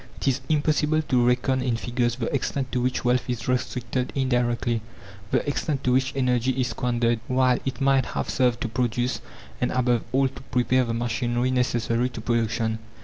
It is impossible to reckon in figures the extent to which wealth is restricted indirectly, the extent to which energy is squandered, while it might have served to produce, and above all to prepare the machinery necessary to production.